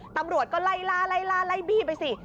ตำรวจก็ไล่ล่าไล่ลาไล่บี้ไปสิ